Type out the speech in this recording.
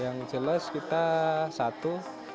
yang jelas kita satu